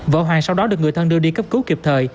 vợ hoàng sau đó được người thân đưa đi cấp cứu kịp thời